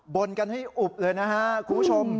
บนกันให้อุบเลยนะฮะคุณผู้ชม